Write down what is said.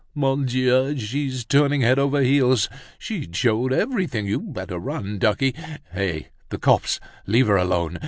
Mon Dieu! she's turning head over heels; she's showed everything—you'd better run, Duckie. Hey, the cops, leave her alone!